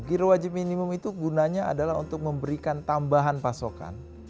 giro wajib minimum itu gunanya adalah untuk memberikan tambahan pasokan